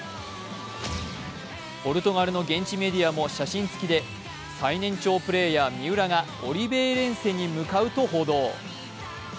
ポルトガルの現地メディアも写真付きで最年長プレーヤー三浦がオリヴェイレンセへ向かうと報道。